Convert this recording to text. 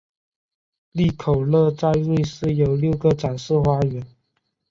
利口乐在瑞士有六个展示花园。